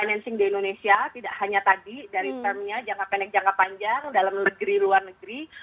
financing di indonesia tidak hanya tadi dari termnya jangka pendek jangka panjang dalam negeri luar negeri